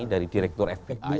dari direktur fbi